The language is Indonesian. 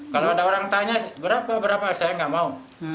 kalau ada orang tanya berapa berapa saya nggak mau